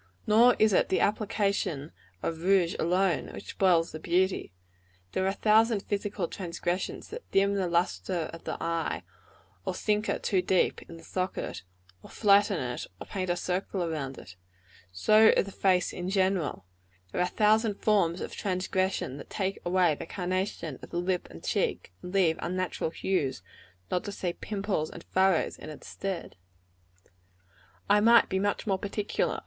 Nor is it the application of rouge alone, which spoils the beauty. There are a thousand physical transgressions that dim the lustre of the eye, or sink it too deep in the socket, or flatten it, or paint a circle round it. So of the face in general. There are a thousand forms of transgression that take away the carnation of the lip and cheek, and leave unnatural hues, not to say pimples and furrows, in its stead. I might be much more particular.